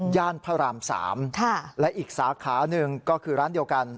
พระราม๓และอีกสาขาหนึ่งก็คือร้านเดียวกัน